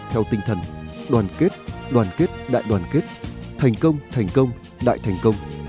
theo tinh thần đoàn kết đoàn kết đại đoàn kết thành công thành công đại thành công